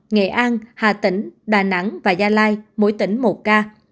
nghệ an hà tĩnh đà nẵng và gia lai mỗi tỉnh một ca